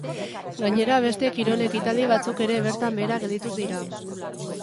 Gainera beste kirol ekitaldi batzuk ere bertan behera gelditu dira.